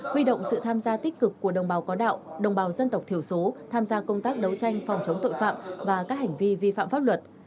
huy động sự tham gia tích cực của đồng bào có đạo đồng bào dân tộc thiểu số tham gia công tác đấu tranh phòng chống tội phạm và các hành vi vi phạm pháp luật